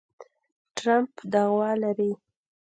ټرمپ دعوه لري